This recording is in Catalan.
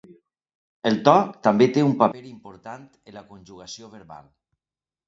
El to també té un paper important en la conjugació verbal.